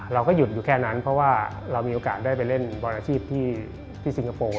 เราก็หยุดอยู่แค่นั้นเพราะว่าเรามีโอกาสได้ไปเล่นบอลอาชีพที่สิงคโปร์